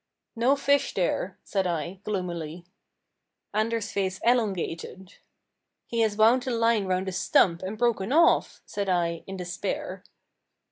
"No fish there," said I, gloomily. Anders' face elongated. "He has wound the line round a stump, and broken off," said I, in despair.